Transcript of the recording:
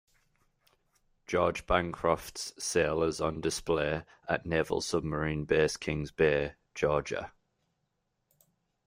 "George Bancroft"s sail is on display at Naval Submarine Base Kings Bay, Georgia.